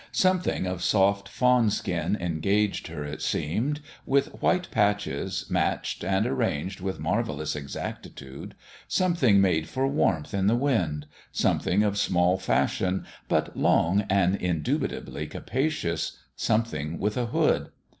Something of soft fawn skin en gaged her, it seemed, with white patches matched and arranged with marvellous exacti tude : something made for warmth in the wind something of small fashion, but long and in dubitably capacious something with a hood.